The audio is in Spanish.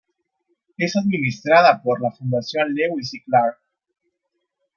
Es administrada por la fundación Lewis y Clark.